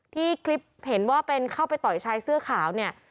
ที่คลิปเห็นว่าเป็นเข้าไปต่อยชายเสื้อขาวเนี่ย